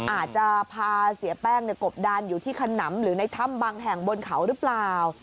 อาจจะพาเสียแป้งกบดันอยู่ที่ขนำหรือในถ้ำบางแห่งบนเขาหรือเปล่า